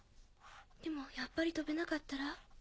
でもやっぱり飛べなかったら？